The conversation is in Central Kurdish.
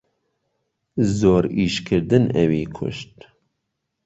زۆر ئیشکردن ئەوی کوشت.